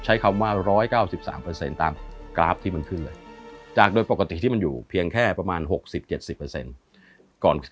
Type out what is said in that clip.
ใช้คำว่า๑๙๓เปอร์เซ็นต์ตามกราฟที่มันขึ้นเลยจากโดยปกติที่มันอยู่เพียงแค่ประมาณ๖๐๗๐เปอร์เซ็นต์